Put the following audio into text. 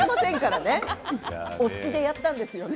お好きでやったんですよね？